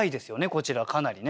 こちらかなりね。